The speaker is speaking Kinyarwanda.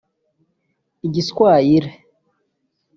Igiswayile